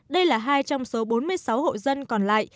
đây là hai trong số bốn mươi sáu hộ dân còn lại